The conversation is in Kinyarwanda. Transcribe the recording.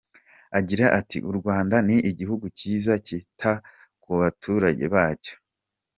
Agira ati "U Rwanda ni igihugu cyiza kita ku baturage bacyo.